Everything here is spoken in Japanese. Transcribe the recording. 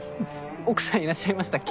奥さんいらっしゃいましたっけ？